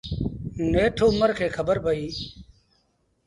نيٺ اُمر کي کبر پئيٚ۔